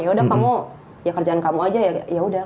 yaudah kamu ya kerjaan kamu aja yaudah